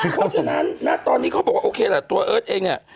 เพราะฉะนั้นณตอนนี้เขาบอกว่าโอเคละตัวเอิ้นเองอะ